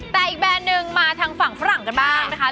แต่อีกแบรนด์หนึ่งมาทางฝั่งฝรั่งกันบ้างนะคะ